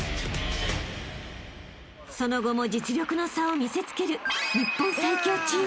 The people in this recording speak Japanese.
［その後も実力の差を見せつける日本最強チーム］